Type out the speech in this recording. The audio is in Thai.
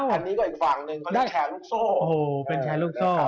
อันนี้ก็อีกฝั่งนึงเค้าเป็นแชร์ลูกโซ่